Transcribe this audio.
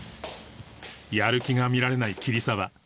やる気が見られない桐沢